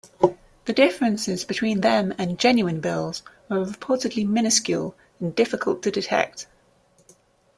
The differences between them and genuine bills were reportedly minuscule and difficult to detect.